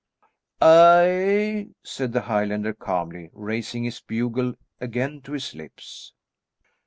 "Aye," said the Highlander calmly, raising his bugle again to his lips.